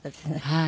はい。